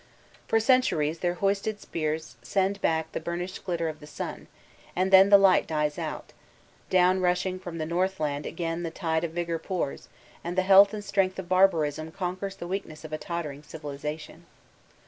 For centuries their hoisted spears send back the burnished glitter of the sun, and then — ^the light dies out; down rushing from the North land again the tide of vigor pours, and the health and strength of barbarism conquers the weakness of a tottering civilization!